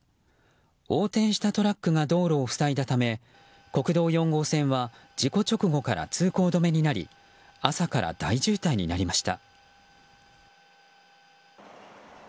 横転したトラックが道路を塞いだため国道４号線は事故直後から通行止めになり朝から大渋滞になりました。